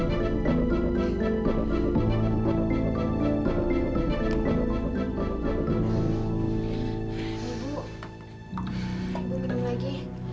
ibu kenapa lagi